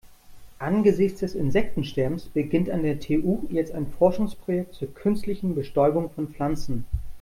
Angesichts des Insektensterbens beginnt an der TU jetzt ein Forschungsprojekt zur künstlichen Bestäubung von Pflanzen.